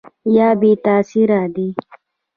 یا بې تاثیره دي ؟